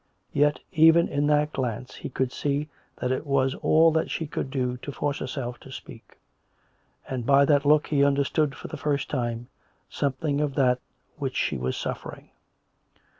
Yet even in that glance he could see that it was aU that she could do to force herself to speak; and by that look he understood for the first time something of that which she was suffering.